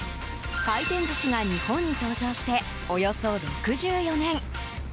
回転寿司が日本に登場しておよそ６４年。